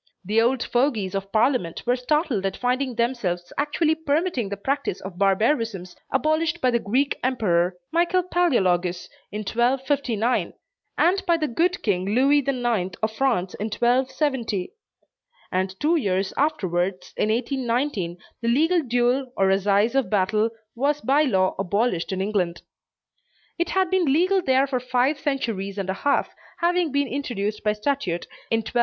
The old fogies of Parliament were startled at finding themselves actually permitting the practice of barbarisms abolished by the Greek emperor, Michael Palaeologus, in 1259, and by the good King Louis IX of France in 1270; and two years afterwards, in 1819, the legal duel or "assize of battle" was by law abolished in England. It had been legal there for five centuries and a half, having been introduced by statute in 1261.